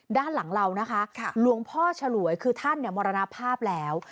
ด้านหลังเรานะคะหลวงพ่อฉลวยคือท่านมรณภาพแล้ว